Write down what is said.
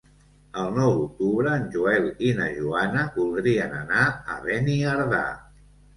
El nou d'octubre en Joel i na Joana voldrien anar a Beniardà.